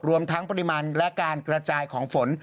รวมทั้งปริมาณและการกระจายของฝน